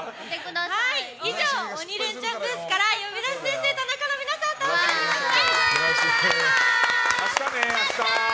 以上、鬼レンチャンブースから「呼び出し先生タナカ」の皆さんとお送りしました！